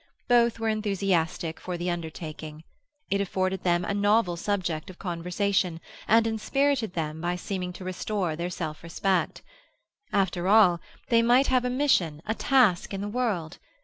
Both were enthusiastic for the undertaking. It afforded them a novel subject of conversation, and inspirited them by seeming to restore their self respect. After all, they might have a mission, a task in the world.